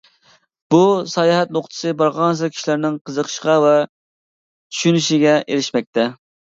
بۇ ساياھەت نۇقتىسى بارغانسېرى كىشىلەرنىڭ قىزىقىشىغا ۋە چۈشىنىشىگە ئېرىشمەكتە.